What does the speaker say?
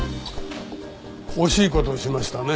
惜しい事をしましたね。